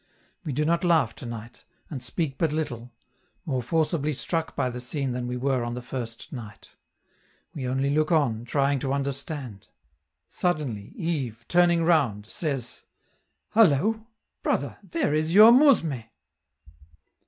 We do not laugh to night, and speak but little, more forcibly struck by the scene than we were on the first night; we only look on, trying to understand. Suddenly, Yves, turning round, says: "Hullo! brother, there is your mousme!"